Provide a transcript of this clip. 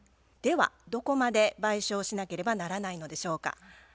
ではどこまで賠償しなければならないのでしょうか。